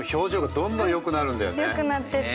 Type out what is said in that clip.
良くなっていって。